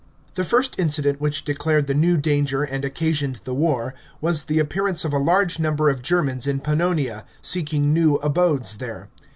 The first incident which declared the new danger and occasioned the war, was the appearance of a large number of Germans in Pannonia, seeking new abodes there.